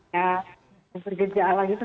ya bergeja lagi itu